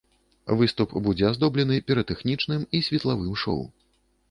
Выступ будзе аздоблены піратэхнічным і светлавым шоў.